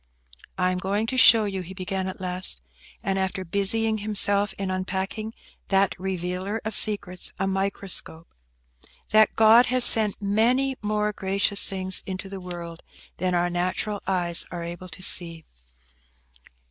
"I am going to show you," he began, at last, and after busying himself in unpacking that revealer of secrets, a microscope,–"that God has sent many more gracious things into the world than our natural eyes are able to see.